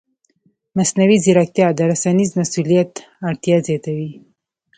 مصنوعي ځیرکتیا د رسنیز مسؤلیت اړتیا زیاتوي.